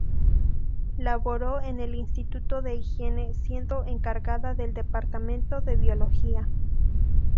Laboró en el Instituto de Higiene siendo encargada del departamento de biología.